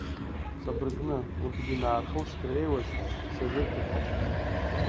Ҵабыргны, урҭ гәынаа рхылҵшьҭра еиуаз савир-ҭыԥҳацәан.